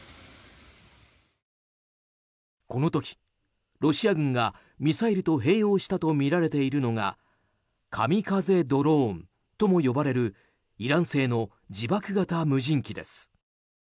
この時、ロシア軍がミサイルと併用したとみられているのが神風ドローンとも呼ばれるイラン製の自爆型無人機です。